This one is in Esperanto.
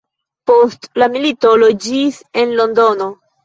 Post la milito loĝis en Londono.